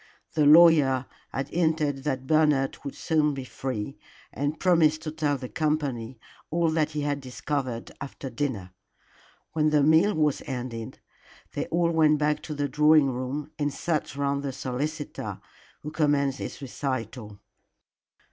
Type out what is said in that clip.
The lawyer had hinted that Bernard would soon be free, and promised to tell the company all that he had discovered after dinner. When the meal was ended they all went back to the drawing room and sat round the solicitor, who commenced his recital.